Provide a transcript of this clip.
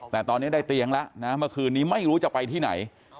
แต่ตอนนี้ได้เตียงแล้วนะเมื่อคืนนี้ไม่รู้จะไปที่ไหน